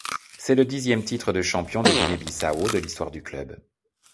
C'est le dixième titre de champion de Guinée-Bissau de l'histoire du club.